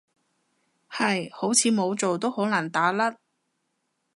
係，好似冇做都好難打甩